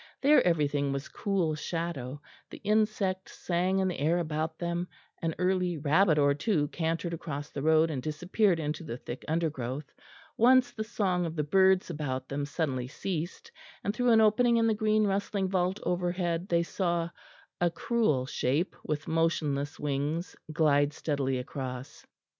There everything was cool shadow, the insects sang in the air about them, an early rabbit or two cantered across the road and disappeared into the thick undergrowth; once the song of the birds about them suddenly ceased, and through an opening in the green rustling vault overhead they saw a cruel shape with motionless wings glide steadily across.